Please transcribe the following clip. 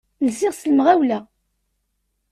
Lsiɣ s lemɣawla.